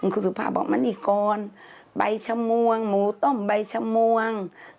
คุณสุภาพบอกมันอีกกรใบชะมวงหมูต้มใบชะมวง